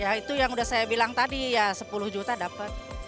ya itu yang udah saya bilang tadi ya sepuluh juta dapat